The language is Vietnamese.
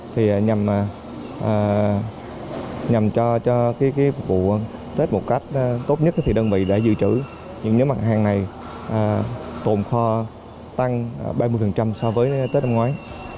thì nhằm cho vụ tết một cách tốt nhất thì đơn vị đã dự trữ những nhóm mặt hàng này tồn kho tăng ba mươi so với tết năm ngoái